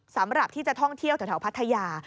สำหรับที่จะท่องเที่ยวแถวพัทยา